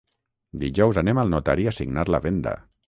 Dijous anem al notari a signar la venda.